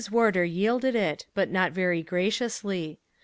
Wardour yielded it, but not very graciously.